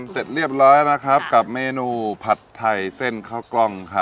เสร็จเรียบร้อยนะครับกับเมนูผัดไทยเส้นข้าวกล้องครับ